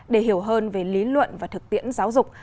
để hiểu hơn về lý luận và thực tiễn giáo dục